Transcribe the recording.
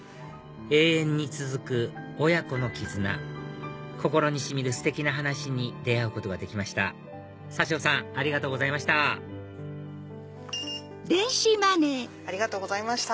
永遠に続く親子の絆心にしみるステキな話に出会うことができました佐生さんありがとうございましたありがとうございました。